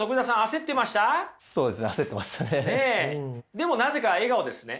でもなぜか笑顔ですね。